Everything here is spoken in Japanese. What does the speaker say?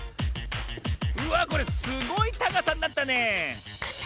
うわこれすごいたかさになったねえ。